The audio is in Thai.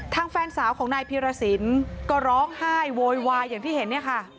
ทั้งแฟนสาวของนายเพียรศิลป์ก็ร้องไห้โวยวายอย่างที่เห็น